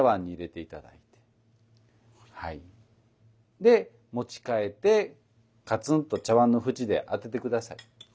で持ち替えてかつんと茶碗の縁で当てて下さい。